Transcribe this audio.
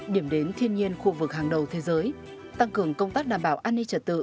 điểm đến thiên nhiên khu vực hàng đầu thế giới tăng cường công tác đảm bảo an ninh trật tự